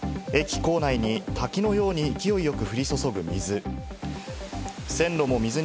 駅構内に滝のように勢いよく降り注ぐ水。